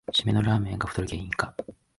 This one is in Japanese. しめのラーメンが太る原因か